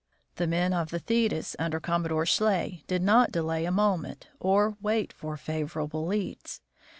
The men of the Thetis, under Commodore Schley, did not delay a moment, or wait for favorable leads.